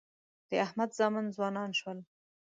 د احمد زامن ځوانان شول.